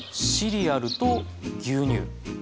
シリアルと牛乳。